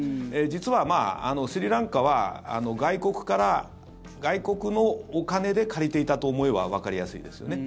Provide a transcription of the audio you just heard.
実はスリランカは外国のお金で借りていたと思えばわかりやすいですよね。